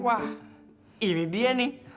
wah ini dia nih